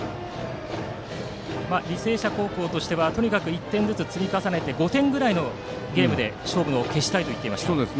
履正社高校としてはとにかく１点ずつ積み重ねて５点ぐらいのゲームで勝負を決したいと言っていました。